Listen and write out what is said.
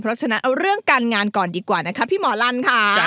เพราะฉะนั้นเอาเรื่องการงานก่อนดีกว่านะคะพี่หมอลันค่ะ